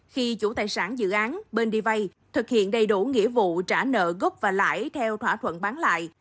khi chủ tài sản dự án bên đi vay thực hiện đầy đủ nghĩa vụ trả nợ gốc và lãi theo thỏa thuận bán lại